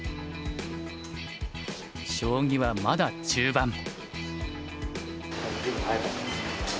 将棋はまだ中盤。